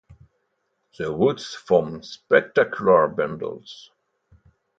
The roots form spectacular bundles.